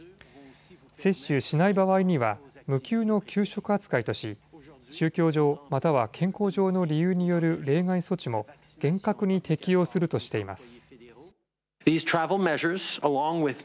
接種しない場合には無給の休職扱いとし宗教上、または健康上の理由による例外措置も厳格に適用するとしています。